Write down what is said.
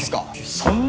そんな。